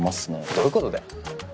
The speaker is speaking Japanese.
どういうことだよ。